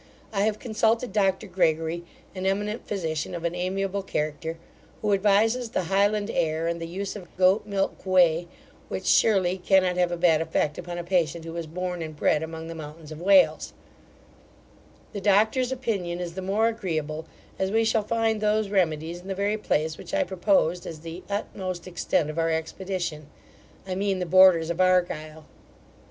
I have consulted Dr Gregory, an eminent physician of an amiable character, who advises the highland air, and the use of goat milk whey, which, surely, cannot have a bad effect upon a patient who was born and bred among the mountains of Wales The doctors opinion is the more agreeable, as we shall find those remedies in the very place which I proposed as the utmost extent of our expedition I mean the borders of Argyle.